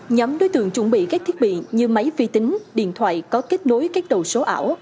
nhóm đối tượng chuẩn bị các thiết bị như máy vi tính điện thoại có kết nối các đầu số ảo